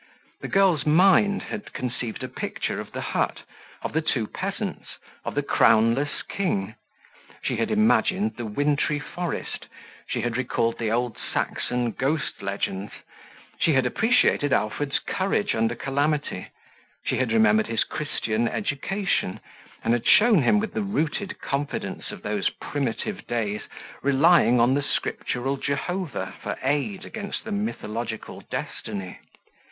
The girl's mind had conceived a picture of the hut, of the two peasants, of the crownless king; she had imagined the wintry forest, she had recalled the old Saxon ghost legends, she had appreciated Alfred's courage under calamity, she had remembered his Christian education, and had shown him, with the rooted confidence of those primitive days, relying on the scriptural Jehovah for aid against the mythological Destiny.